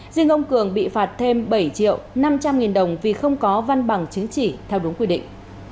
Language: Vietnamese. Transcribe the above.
riêng ông cường bị phạt thêm bảy triệu năm trăm linh nghìn đồng vì không có văn bằng chứng chỉ theo đúng quy định